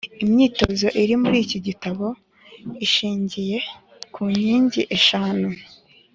imyitozo iri muri iki gitabo ishingiye ku nkingi eshanu